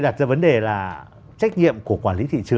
đặt ra vấn đề là